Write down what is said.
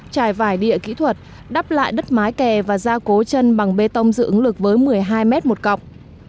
trải vải địa kỹ thuật đắp lại đất mái kè và ra cố chân bằng bê tông dự ứng lực với một mươi hai mét một cọng